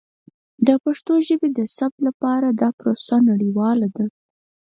د پښتو ژبې د ثبت لپاره دا پروسه نړیواله ده.